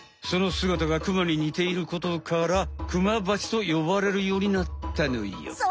そのすがたがクマににていることからクマバチとよばれるようになったのよ。